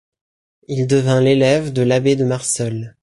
Il devint l'élève de l'abbé de Marseul.